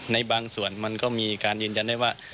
ในบางส่วนมันก็มีการยืนยันได้ว่า